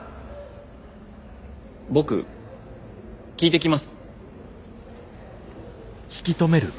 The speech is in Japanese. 僕聞いてきます。